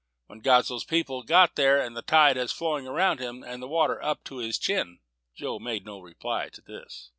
When Godsoe's people got there, the tide was flowing around him, and the water up to his chin." Joe made no reply to this.